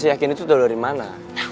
yakin itu dari mana